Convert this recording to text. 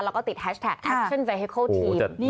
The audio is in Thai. เราก็ติดแฮชแท็กแฮคชั่นเวฮิคโคลทีม